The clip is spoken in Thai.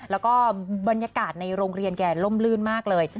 แล้วก็บรรยากาศในโรงเรียนแกล่มลื่นมากเลย